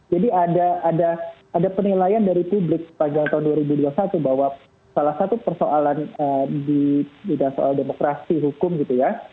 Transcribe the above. jadi ada penilaian dari publik sepanjang tahun dua ribu dua puluh satu bahwa salah satu persoalan di dasar demokrasi hukum gitu ya